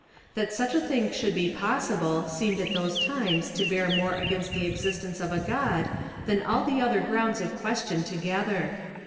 That such a thing should be possible seemed at those times to bear more against the existence of a God than all the other grounds of question together.